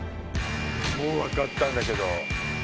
もう分かったんだけど。